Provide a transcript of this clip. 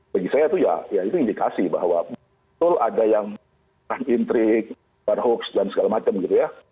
bagi saya itu ya itu indikasi bahwa betul ada yang intrik hoax dan segala macam gitu ya